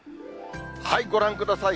ご覧ください。